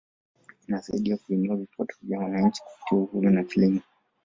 Inasaidia kuinua vipato vya wananchi kupitia uvuvi na kilimo